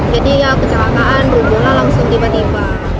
jadi ya kecelakaan berubah langsung tiba tiba